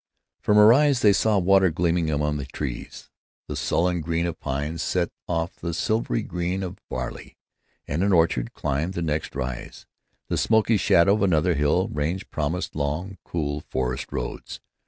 From a rise they saw water gleaming among the trees. The sullen green of pines set off the silvery green of barley, and an orchard climbed the next rise; the smoky shadow of another hill range promised long, cool forest roads.